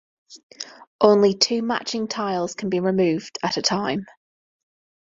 Only two matching tiles can be removed at a time.